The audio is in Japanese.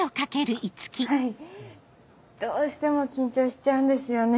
はいどうしても緊張しちゃうんですよね。